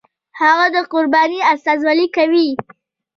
هغه د قربانۍ استازولي کوي.